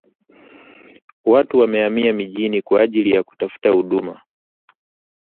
Watu wamehamia mijini kwa ajili ya kutafuta huduma